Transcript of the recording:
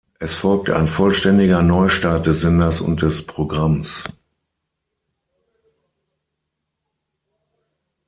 Es folgte ein vollständiger Neustart des Senders und des Programms.